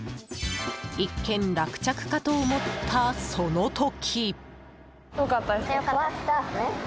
一件落着かと思ったその時。